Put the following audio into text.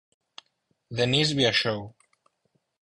Denis viaxou.